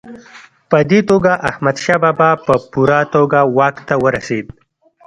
په دې توګه احمدشاه بابا په پوره توګه واک ته ورسېد.